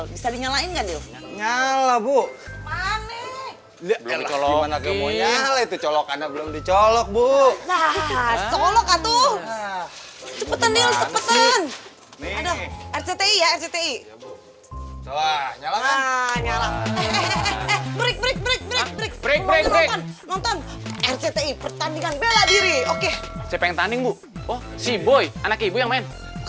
busuh nya lebih pleased banget dengan apa sih